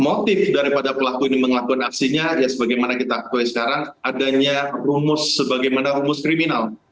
motif daripada pelaku ini melakukan aksinya ya sebagaimana kita ketahui sekarang adanya rumus sebagaimana rumus kriminal